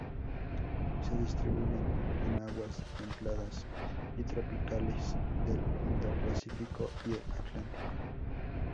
Se distribuyen en aguas templadas y tropicales del Indo-Pacífico y el Atlántico.